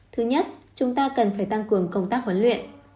thứ nhất chúng ta cần phải tăng cường công tác huấn luyện